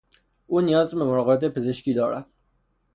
او نیاز به مراقبت پزشکی دارد.